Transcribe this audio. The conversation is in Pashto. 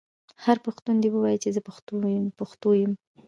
هر پښتون دې ووايي چې زه پښتو یم.